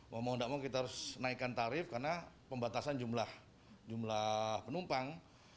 mau tidak mau kita harus naikkan tarif karena pembatasan jumlah penumpang